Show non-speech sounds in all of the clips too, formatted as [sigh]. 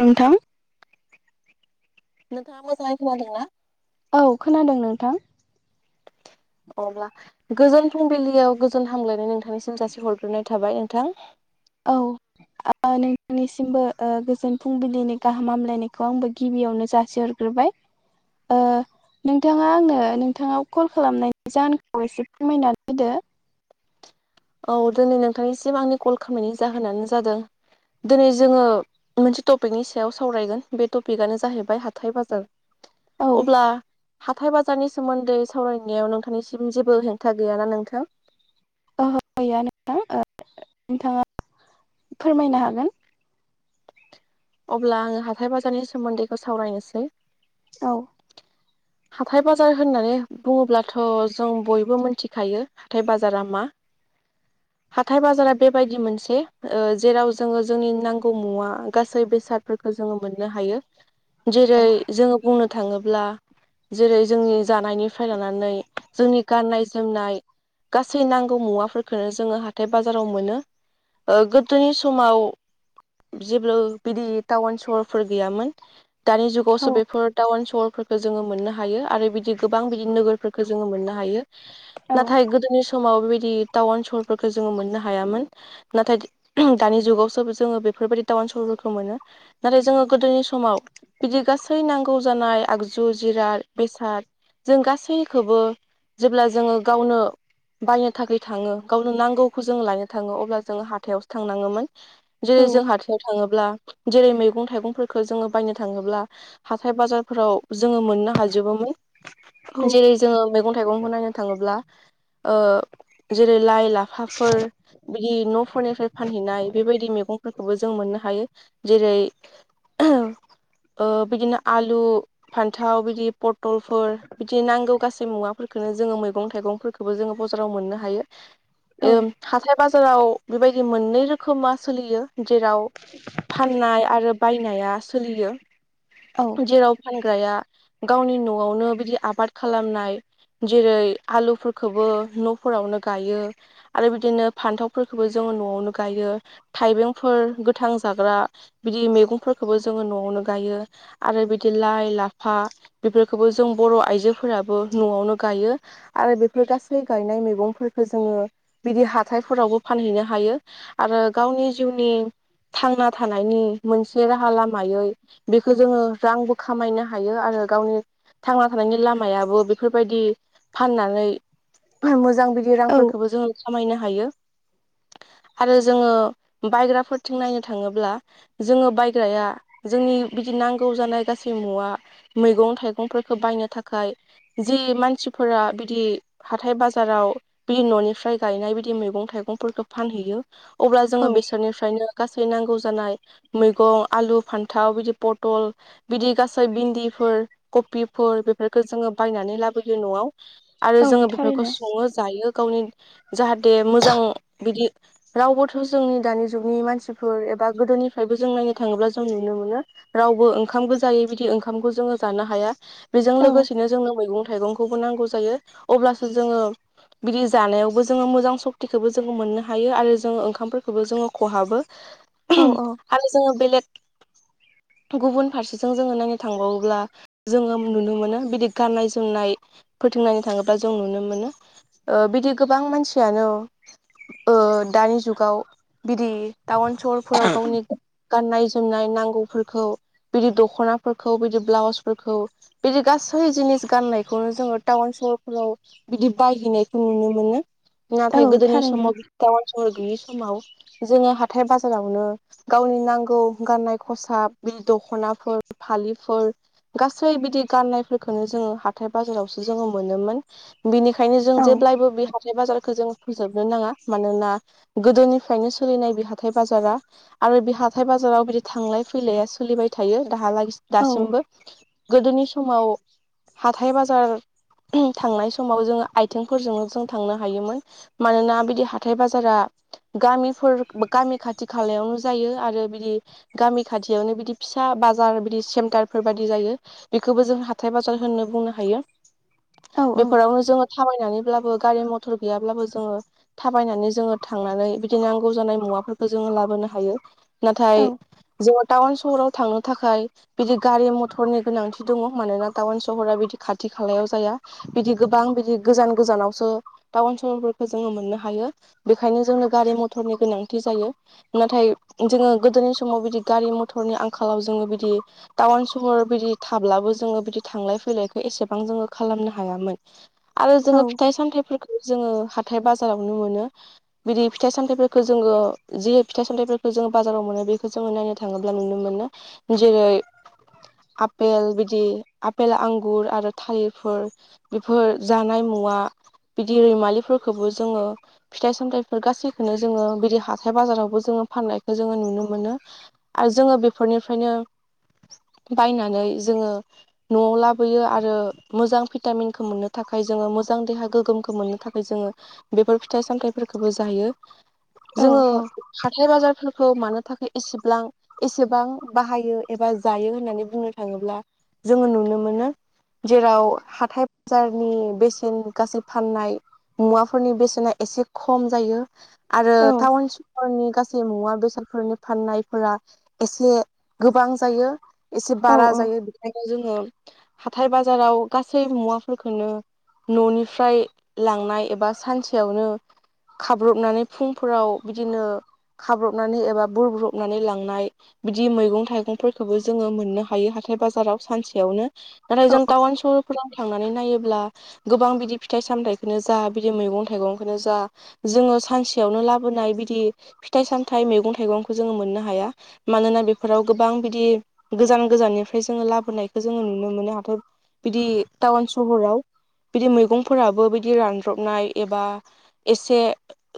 नोंथां नोंथाङा मोजाङै खोनादों ना? औ खोनादों नोंथां। अब्ला गोजोन फुंबिलियाव गोजोन हामलायनाय नोंथांनिसिम जासि हरग्रोनाय थाबाय नोंथां। औ आं नोंथांनिसिमबो गोजोन फुंबिलिनि गाहाम हामलायनायखौ आंबो गिबियावनो जासिहरग्रोबाय। ओ [inaudible] नोंथाङा आंनो नोंथाङाव कल खालामनायनि जाहोनखौ एसे फोरमायनानै होदो। औ दिनै नोंथांनिसिम आंनि कल खामनायनि जाहोनानो जादों दिनै जोङो मोनसे टपिकनि सायाव सावरायगोन बे टपिकनो जाहैबाय हाथाय बाजार। औ अब्ला हाथाय बाजारनि सोमोन्दै सावरायनायाव नोंथांनिसिम जेबो हेंथा गैयाना नोंथां। ओहो गैया नोंथां नोंथाङा फोरमायनो हागोन। अब्ला आङो हाथाय बाजारनि सोमोन्दैखौ सावरायनोसै औ हाथाय बाजार होननानै बुङोब्लाथ' जों बयबो मिथिखायो हाथाय बाजारा मा हाथाय बाजारा बेबायदि मोनसे ओ जेराव जोङो जोंनि नांगौ मुवा गा सै बेसादफोरखौ जोङो मोननो हायो औ जेरै जोङो बुंनो थाङोब्ला जेरै जोंनि जानायनिफ्राय लानानै जोंनि गाननाय जोमनाय गासै नांगौ मुवाफोरखौनो जोङो हाथाय बाजाराव मोनो। ओ गोदोनि समाव जेब्ला बिदि टाउन सहरफोर गैयामोन दानि औ जुगावसो बेफोर टाउन सहरफोरखौ जोङो मोननो हायो आरो बिदि गोबां बिदि नोगोरफोरखौ जोङो मोननो हायो। औ औ नाथाय गोदोनि समाव बेबायदि टाउन सहरफोरखौ जोङो मोननो हायामोन। नाथाय दानि जुगावसो जोङो बेफोरबायदि टाउन सहरफोरखौ मोनो। नाथाय जोङो गोदोनि समाव बिदि गासै नांगौ जानाय आगजु जिराद बेसाद जों गासैखौबो जेब्ला जोङो गावनो बायनो थाखाय थाङो गावनो नांगौखौ जोङो लायनो थाङो अब्ला जोङो हाथायावसो थांनाङोमोन। जेरै जों हाथायाव थाङोब्ला जेरै मैगं थाइगंफोरखौ जोङो बायनो थाङोब्ला हाथाय बाजारफोराव जोङो मोननो हाजोबोमोन जेरै जोङो मैगं थाइगंखौ नायनो थाङोब्ला जेरै लाइ लाफाफोर बिदि न'फोरनिफ्राय फानहैनाय बेबायदि मैगं फोरखौबो जों मोननो हायो जेरै ओ बिदिनो आलु फान्थाव बिदि पथलफोर बिदि नांगौ गासै मुवाफोरखौनो जोङो मैगं थाइगंफोरखौ खौबो जोङो बाजाराव मोननो हायो हाथाय बाजाराव बेबायदि मोननै रोखोमा सोलियो जेराव फाननाय आरो बायनाया सोलियो औ जेराव फानग्राया गावनि न'आवनो बिदि आबाद खालामनाय जेरै आलुफोरखौबो न'फोरावनो गायो आरो बिदिनो फान्थावफोरखौबो जोङो न'आवनो गायो थाइबें फोर गोथां जाग्रा बिदि मैगंफोरखौबो जोङो न'आवनो गायो आरो बिदि लाइ लाफा बेफोरखौबो जों बर' आइजोफोराबो न'आवनो गायो आरो बेफोर गासै गायनाय मैगंफोरखौ जोङो बिदि हाथायफोरावबो फानहैनो हायो आरो गावनि जिउनि थांना थानायनि मोनसे राहा लामायै बेखौ जोङो रांबो खामायनो हायो आरो गावनि थांना थानायनि लामायाबो बेफोरबायदि फाननानै मोजां बिदि रांफोरखौबो जोङो खामायनो हायो आरो जोङो बायग्राफोरथिं नायनो थाङोब्ला जोङो बायग्राया जोंनि बिदि नांगौ जानाय गासै मुवा मैगं थाइगंफोरखौ बायनो थाखाय जि मानसिफोरा बिदि हाथाय बाजाराव बि न'निफ्राय गायनाय बिदि मैगं थाइगंफोरखौ फानहैयो अब्ला औ जोङो बेसोरनिफ्रायनो गासै नांगौ जानाय मैगं आलु फान्थाव बिदि पथल बिदि गासै भिन्दिफोर कबिफोर बेफोरखौ जोङो बायनानै लाबोयो न'आव आरो औ जोङो बेफोरखौ थारैनो सङो जायो गावनि जाहाथे मोजां बिदि रावबो थ' जोंनि दानि जुगनि मानसिफोर एबा गोदोनिफ्रायबो जों नायनो थाङोब्ला जों नुनो मोनो रावबो ओंखाम गोजायै बिदि ओंखामखौ जोङो जानो हाया बेजों औ लोगोसेनो जोंनो मैगं थाइगंखौबो नांगौ जायो अब्लासो जोङो बिदि जानायावबो जोङो मोजां सक्तिखौबो जोङो मोननो हायो आरो जोंं ओंखामफोरखौबो जोङो खहाबो औ औ आरो जोङो बेलेग गुबुन फारसेजों जोङो नायनो थांबावोब्ला जोङो नुनो मोनो बिदि गाननाय जोमनाय फोथोंनानै थाङोब्ला जों नुनो मोनो बिदि गोबां मानसियानो दानि जुग गाव बिदि टाउन सहरफोराव गावनि गाननाय जोमनाय नांगौफोरखौ बिदि दख'नाफोरखौ बिदि ब्लाउसफोरखौ बिदि गासै जिनिस गाननायखौनो जोङो टाउन सहरफोराव बिदि बायहैनायखौ नुनो मोनो औ नाथाय गोदोनि थारैनो समाव बि टाउन सहर गैयि सम समाव जोङो हाथाय बाजारावनो गावनि नांगौ गाननाय खसाब बे दख'नाफोर फालिफोर गासै बिदि गाननायफोरखौनो जोङो हाथाय बाजारावसो जोङो मोनोमोन बेनिखायनो जों औ जेब्लायबो बे हाथाय बाजारखौ जों फोजोबनो नाङा मानोना गोदोनिफ्रायनो सोलिनाय बे हाथाय बाजारा आरो बे हाथाय बाजाराव बिदि थांलाय फैलाया सोलिबाय थायो दाहालागि औ दासिमबो। गोदोनि समाव हाथाय बाजार थांनाय समाव जोङो आइथिंफोरजोंनो जों थांनो हायोमोन मानोना बिदि हाथाय बाजारा गामिफोर गामि खाथि खालायावनो जायो आरो बिदि गामि खाथियावनो बिदि फिसा बाजार बिदि सेन्टारफोर बायदि जायो बेखौबो जों हाथाय बाजार होननो बुंनो हायो औ बेफोरावनो जोङो थाबायनानैब्लाबो गारि मथर गैयाब्लाबो जोङो थाबायनानै जोङो थांनानै बिदि नांगौ जानाय मुवाफोरखौ जोङो लाबोनो हायो औ नाथाय जोङो टाउन सहराव थांनो थाखाय बिदि गारि मथरनि गोनांथि दङ मानोना टाउन सहरा बिदि खाथि खालायाव जाया बिदि गोबां बिदि गोजान गोजानावसो टाउन सहरफोरखौ जोङो मोननो हायो बेखायनो जोंनो गारि मथरनि गोनांथि जायो नाथाय जोङो गोदोनि समाव बिदि गारि मथरनि आंखालाव जोङो बिदि टाउन सहर बिदि थाब्लाबो जोङो बिदि थांलाय फैलायखौ एसेबां जोङो खालामनो हायामोन आरो जोङो फिथाइ सामथायाइफोरखौ जोङो हाथाय बाजारावनो मोनो बिदि फिथाइ सामथायफोरखौ जोङो जि फिथाइ सामथाइफोरखौ जोङो बाजाराव मोनो बेखौ ज जोङो नायनो थाङोब्ला नुनो मोनो जेरै आपेल बिदि आफेल आंगुर आरो थालिरफोर बेफोर जानाय मुवा बिदि रैमालिफोरखौबो जोङो फिथाइ सामथायफोर गासैखौनो जोङो बिदि हाथाय बाजारावबो जोङो फाननायखौ जोङो नुनो मोनो मोनो आरो जोङो बेफोरनिफ्रायनो बायनानै जोङो न'आव लाबोयो आरो मोजां भिटामिनखौ मोननो थाखाय जोङो मोजां देहा गोगोमखौ मोननो थाखाय जोङो। बेफोर फिथाइ सामथाइफोरखोबो जायो जोङो हाथाय बाजारफोरखौ मानो थाखाय एसेब्लां एसेबां बाहायो एबा जायो होननानै बुंनो थाङोब्ला जोङो नुनो मोनो। जेराव हाथाय बाजारनि बेसेन गासै फाननाय। मुवाफोरनि बेसेना एसे खम जायो। आरो टाउन सहरनि गासै मुवा बेसादफोरनि फाननायफोरा एसे गोबां जायो एसे औ बारा जायो बेखायनो जोङो हाथाय बाजाराव गासै मुवाफोरखोनो न'निफ्राय लांनाय एबा सानसेयावनो खाब्रबनानै फुंफोराव बिदिनो खाब्रबनानै एबा बुरब्रबनानै लांनाय बिदि मैगं-थाइगंफोरखोबो जोङो मोननो हायो हाथाय बाजाराव सानसेयावनो। नाथाय औ जों टाउन सहरफोराव थांनानै नायोब्ला गोबां बिदि फिथाइ-सामथायखौनो जा बिदि मैगं थाइगं। बेखौनो जा जोङो सानसेयावनो लाबोनाय बिदि फिथाइ-सामथाय मैगं थाइगंखौ जोङो मोननो हाया। मानोना बेफोराव गोबां बिदि गोजान गोजाननिफ्राय जोङो लाबोनायखो जोङो नुनो मोनो हाथ बिदि टाउन सहराव बिदि मैगंफोराबो बिदि रानद्रबनाय एबा एसे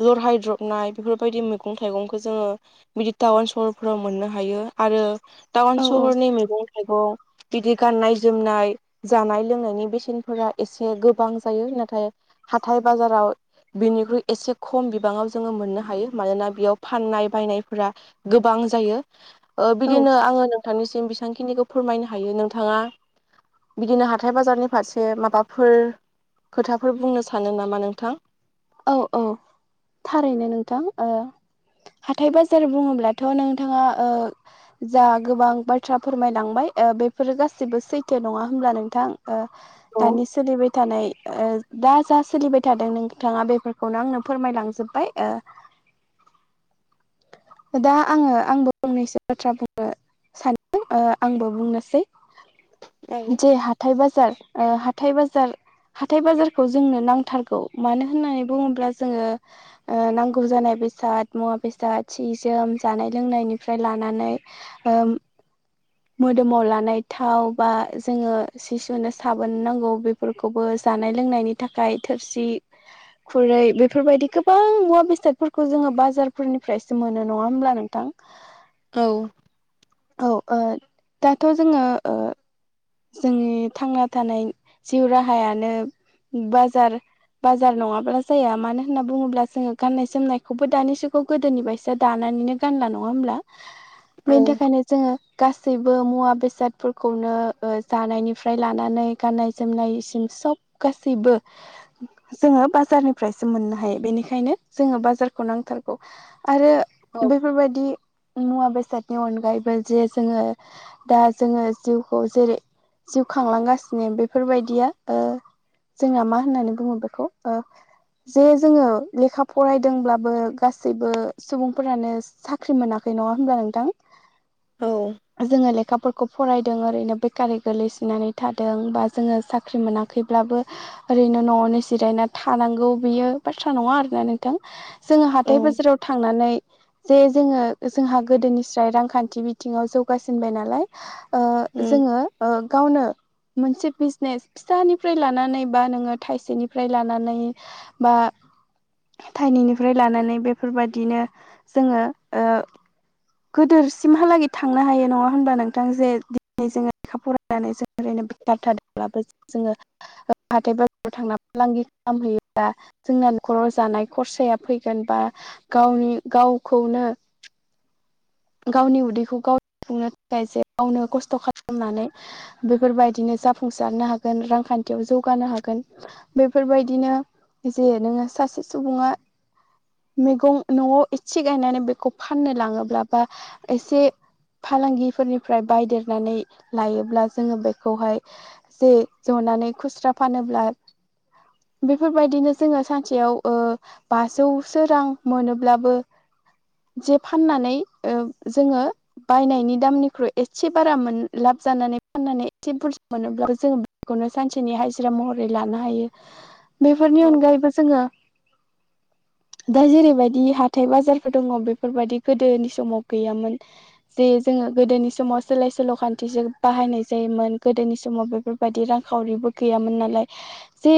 लरहायद्रबनाय बेफोरबायदि मैगं थाइगंखौ जोङो बिदि टाउन सहर फोराव मोननो हायो आरो औ टाउन सहरनि मैगं-थाइगं। बिदि गाननाय-जोमनाय जानाय लोंनायनि बेसेनफोरा एसे गोबां जायो नाथाय हाथाय-बाजाराव बेनिख्रुइ एसे खम बिबाङाव जोङो मोननो हायो मानोना बेयाव फाननाय बायनायफोरा गोबां जायो ओ औ बिदिनो आङो नोंथांनिसिम बेसांखिनिखौ फोरमायनो हायो नोंथाङा। बिदिनो हाथाय बाजारनि फारसे माबाफोर खोथाफोर बुंनो सानो नामा नोंथां। औ औ थारैनो नोंथां ओ हाथाय बाजार बुङोब्लाथ' नोंथाङा ओ जा गोबां बाथ्रा फोरमायलांबाय ओ बेफोरो गासिबो सैथो नङा होमब्ला नोंथां। ओ औ दानि सोलिबाय थानाय ओ दा जा सोलिबाय थादों नों नोंथाङा बेफोरखौनो आंनो फोरमायलांजोबबाय ओ [inaudible] दा आङो आंबो फंनैसो बाथ्रा बुङो। सानदों ओ आंबो बुंनोसै जे हाथाय-बाजार ओ हाथाय बाजार हाथाय बाजारखौ जोंनो नांथारगौ। मानो होननानै बुङोब्ला जोङो ओ नांगौ जानाय बेसाद मुवा बेसाद सि जोम जानाय लोंनायनिफ्राय लानानै ओ मोदोमाव लानाय थाव बा जोङो। सि सुनो साबोन नांगौ बेफोरखौबो जानाय-लोंनायनि थाखाय थोरसि। खुरै बेफोरबायदि गोबां मुवा-बेसादफोरखौ जोङो बाजारफोरनिफ्रायसो मोनो नङा होमब्ला नोंथां? औ। औ ओ दाथ' जोङो ओ। जोंनि थांना थानाय जिउ राहायानो बाजार। बाजार नङाब्ला जाया मानो होनना बुङोब्ला जोङो गाननाय- जोमनायखौबो दानि जुगाव। गोदोनि बायसा दानानैनो गानला नङा होमब्ला? औ बेनि थाखायनो जोङो गासैबो मुवा-बेसादफोरखौनो। ओ जानायनिफ्राय लानानै गाननाय-जोमनायसिम सब गासैबो। जोङो बाजारनिफ्रायसो मोननो हायो बेनिखायनो जोङो बाजारखौ नांथारग। आरो औ बेफोरबायदि। मुवा-बेसादनि अनगायैबो जे जोङो दा जोङो जिउखौ। जेरै जिउ खांलांगासिनो बेफोरबायदिया ओ। जोंना मा होननानै बुङो बेखौ ओ। जे जोङो लेखा फरायदोंब्लाबो गासैबो सुबुंफोरानो। साख्रि मोनाखै नङा होनब्ला नोंथां? औ जोङो लेखाफोरखौ फरायदों ओरैनो। बेकारै गोलैसोनानै थादों बा जोङो साख्रि मोनाखैब्लाबो। ओरैनो न'आवनो जिरायना थानांगौ बियो बाथ्रा नङा आरोना नोंथां। जोङो औ हाथाय-बाजाराव थांनानै। जे जोङो जोंहा गोदोनिस्राय रांखान्थि बिथिङाव जौगासिनबाय नालाय ओ। औ जोङो ओ गावनो। मोनसे बिजनेस फिसानिफ्राय लानानै बा नोङो थाइसेनिफ्राय लानानै। बा। थाइनैनिफ्राय लानानै बेफोरबायदिनो जोङो ओ। गोदोरसिमहालागि थांनो हायो नङा होनबा? नोंथां जे दि जोङो लेखा फरायनानै जों ओरैनो बेखार थादोंब्लाबो जोङो। हाथाय-बाजाराव थांना फालांगि खालामहैयोब्ला। जोंना न'खराव जानाय खरसाया फैगोन बा गावनि- गावखौनो। गावनि उदैखौ गाव सुफुंनो थाखाय जो गावनो कस्त' खालामनानै। बेफोरबायदिनो जाफुंसारनो हागोन रांखान्थियाव जौगानो हागोन। बेफोरबायदिनो जे नोङो सासे सुबुङा। मैगं न'आव एसे गायनानै बेखौ फाननो लाङोब्ला बा एसे। फालांगिफोरनिफ्राय बायदेरनानै लायोब्ला जोङो बेखौहाय। जे ज'नानै खुस्रा फानोब्ला। बेफोरबायदिनो जोङो सानसेयाव ओ। बाजौसो रां मोनोब्लाबो जे फाननानै। ओम जोङो। बायनायनि दामनिख्रुइ एसे बारा मोन लाब जानानै फाननानै एसे बुरजा मोनोब्ला जों। बेखौनो सानसेनि हाजिरा महरै लानो हायो। बेफोरनि औ अनगायैबो जोङो। दा जेरैबायदि हाथाय-बाजारफोर दङ' बेफोरबायदि गोदोनि। समाव गैयामोन। जे जोङो गोदोनि समाव सोलाय-सोल' खान्थिजों बाहायनाय जायोमोन गोदोनि समाव बेफोर। बायदि रां खावरिबो गैयामोन नालाय जे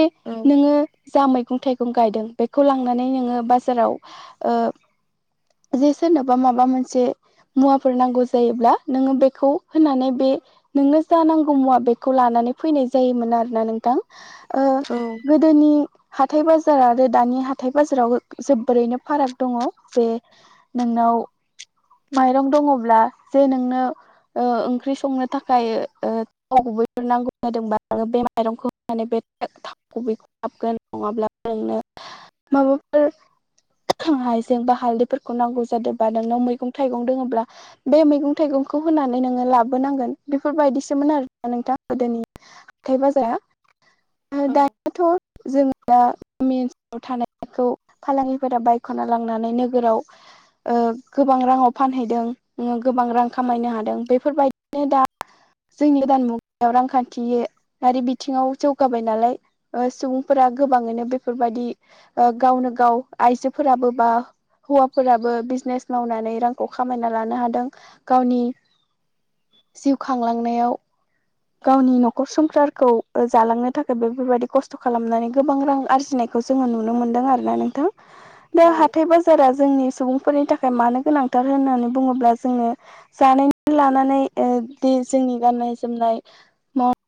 नोङो जा मै। मैगं-थाइगं गायदों बेखौ लांनानै नोङो बाजाराव ओ। जे सोरनोबा माबा मोनसे। मुवाफोर नांगौ जायोब्ला नोंङो बेखौ होनानै बे। नोंनो जा नांगौ मुवा बेखौ लानानै फैनाय जायोमोन आरोना नोंथां ओ औ गो दोनि। हाथाय-बाजार आरो दानि हाथाय-बाजाराव जोबोरैनो फाराग दङ' जे। नोंनाव। माइरं दङब्ला जे नोंनो ओ ओंख्रि संनो थाखाय ओ। थाव गुबैफोर नांगौ जादोंबा आ बे माइरंखौ होनानै बे बेखौ लाबगोन नङाब्ला नोंनो माबाफोर हाइजें बा हालदैफोरखौ नांगौ जादोंबा नोंनाव मैगं थाइगं दोङोब्ला। बे मैगं थाइगंखौ होनानै नोंङो लाबोनांगोन बेफोरबायदिसोमोन आरोना नोंथां गोदोनि। हाथाय बाजार आरो औ दायोथ' जोंङो दा गामि ओनसोलाव थानायखौ। फालांगिफोरा बायख'ना लांनानै नोगोराव ओ। गोबां राङाव फानहैदों ओ गोबां रां खामायनो हादों बेफोरबायदिनो दा जोंनि गोदान मुगायाव रांखान्थिारि बिथिङाव जौगाबाय नालाय सुबुंफोरा गोबाङैनो बेफोरबायाददि गावनो गाव आइजोफोराबो बा हौवाफोराबो बिजनेस मावनानै रांखौ खामायना लानो हादों गावनि जिउ खांलांनायाव गावनि न'खर संखारखौ जालांनो थाखाय बे बेफोरबायदि खस्थ' खालामनानै गोबां रां आरजिनाय बेखौ जोंङो नुनो मोन्दों आरोना नोंथां। [inaudible] दा हाथाय बाजारा जोंनि सुबुंफोरनि थाखाय मानो गोनांथार होननानै बुङोब्ला जोंनो जानाय लानानै ओ बे जोंनि गाननाय जोमनाय